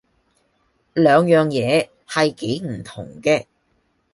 兩樣嘢係幾唔同嘅